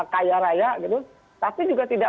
kaya raya gitu tapi juga tidak